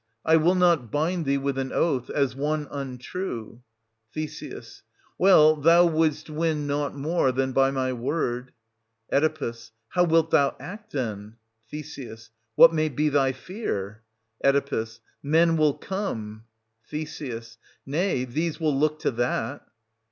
I will not bind thee with an oath, as one 650 untrue. Th. Well, thou wouldst win nought more than by my word. Oe. How wilt thou act, then } Th. What may be thy fear } Oe. Men will come — Th. Nay, these will look to that.